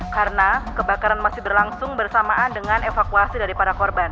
karena kebakaran masih berlangsung bersamaan dengan evakuasi dari para korban